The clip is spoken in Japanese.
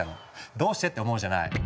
どうしてって思うじゃない？